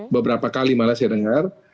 beberapa kali malah saya dengar